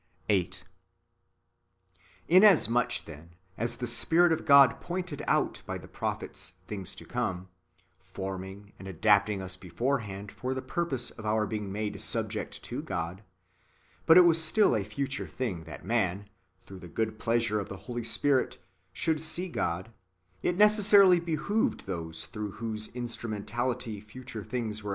vN^ 8. Inasmuch, then, as the Spirit of God pointed out by the prophets things to come, forming and adapting us beforehand for the purpose of our being made subject to God, but it was still a future thing that man, through the good pleasure of the Holy Spirit, should see [God], it necessarily behoved those through whose instrumentality future things were 1 John i. 18. Book iv.] IBENJEUS AGAINST HERESIES.